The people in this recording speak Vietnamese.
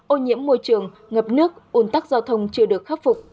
ô nhiễm môi trường ngập nước ủn tắc giao thông chưa được khắc phục